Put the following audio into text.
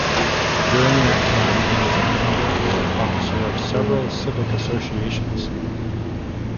During that time, he was a member and officer of several civic associations.